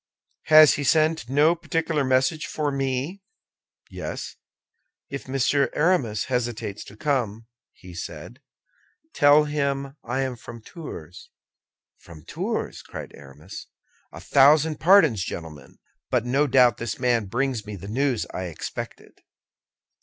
"Has he sent no particular message for me?" "Yes. If Monsieur Aramis hesitates to come," he said, "tell him I am from Tours." "From Tours!" cried Aramis. "A thousand pardons, gentlemen; but no doubt this man brings me the news I expected."